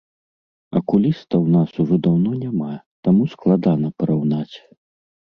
Акуліста ў нас ужо даўно няма, таму складана параўнаць.